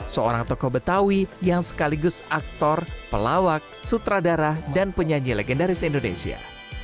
seorang tokoh betawi yang sekaligus aktor pelawak sutradara dan penyanyi legendaris indonesia